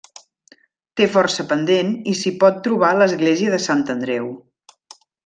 Té força pendent i s'hi pot trobar l'església de Sant Andreu.